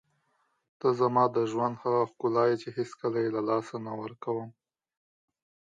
ته زما د ژوند هغه ښکلا یې چې هېڅکله یې له لاسه نه ورکوم.